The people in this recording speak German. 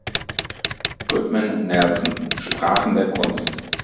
Goodman, Nelson: Sprachen der Kunst.